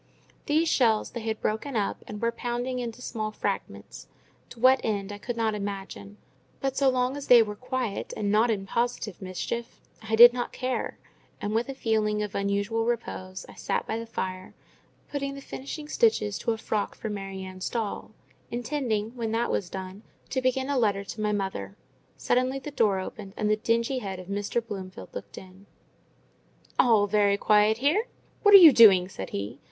These shells they had broken up and were pounding into small fragments, to what end I could not imagine; but so long as they were quiet and not in positive mischief, I did not care; and, with a feeling of unusual repose, I sat by the fire, putting the finishing stitches to a frock for Mary Ann's doll; intending, when that was done, to begin a letter to my mother. Suddenly the door opened, and the dingy head of Mr. Bloomfield looked in. "All very quiet here! What are you doing?" said he.